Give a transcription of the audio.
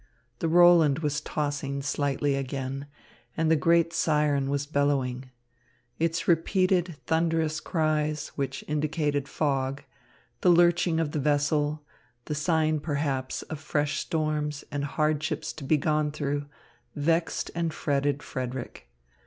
The Roland was tossing slightly again, and the great siren was bellowing. Its repeated thunderous cries, which indicated fog, the lurching of the vessel, the sign, perhaps, of fresh storms and hardships to be gone through, vexed and fretted Frederick.